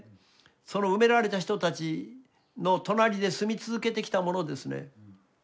その埋められた人たちの隣で住み続けてきた者ですね。